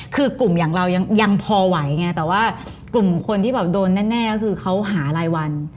คือกลุ่มอย่างเรายังพอไหวไงแต่ว่ากลุ่มคนที่แบบโดนแน่ก็คือเขาหารายวัน